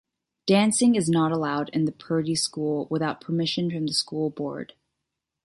Dancing is not allowed in the Purdy school without permission from the school board.